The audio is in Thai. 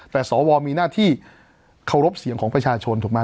แต่สวมีหน้าที่เคารพเสียงของประชาชนถูกไหม